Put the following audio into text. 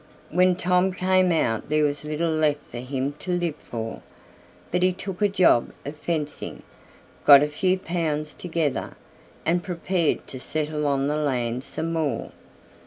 When Tom came out there was little left for him to live for; but he took a job of fencing, got a few pounds together, and prepared to settle on the land some more.